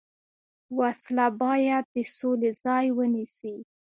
وسله باید د سولې ځای ونیسي